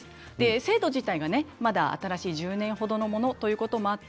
制度自体がまだ新しい１０年程のものということもあって